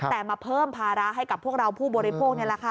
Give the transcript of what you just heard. แต่มาเพิ่มภาระให้กับพวกเราผู้บริโภคนี่แหละค่ะ